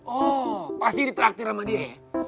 oh pasti ditraktir sama dia